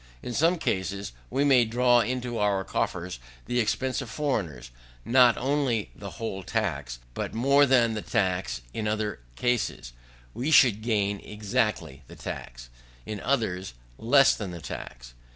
In some cases, we may draw into our coffers, at the expense of foreigners, not only the whole tax, but more than the tax: in other cases, we should gain exactly the tax, in others, less than the tax.